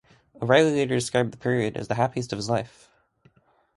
O'Reilly later described the period as the happiest of his life.